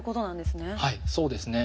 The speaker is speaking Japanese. はいそうですね。